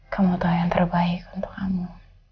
kamu tua yang terbaik untuk kamu